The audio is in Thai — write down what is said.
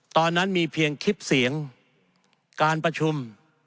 ตอนนั้นมีเพียงคลิปเสียงการประชุม